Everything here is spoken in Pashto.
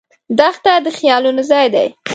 دښته د خیالونو ځای دی.